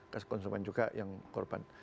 kasih konsumen juga yang korban